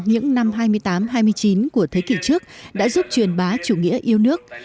những năm hai mươi tám hai mươi chín của thế kỷ trước đã giúp truyền bá chủ nghĩa yêu nước